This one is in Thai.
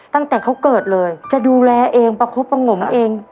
ตั้งแต่เขาเกิดเลยจะดูแลเองประคบประงมเอง